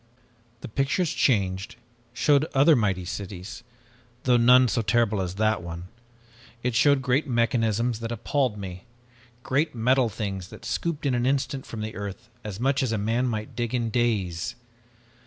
"The pictures changed, showed other mighty cities, though none so terrible as that one. It showed great mechanisms that appalled me. Giant metal things that scooped in an instant from the earth as much as a man might dig in days.